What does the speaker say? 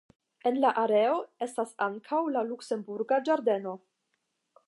En la areo estas ankaŭ la Luksemburga Ĝardeno.